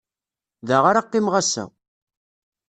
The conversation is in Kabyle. Da ara qqimeɣ ass-a.